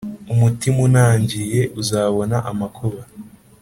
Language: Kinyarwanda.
Umutima unangiye uzabona amakuba,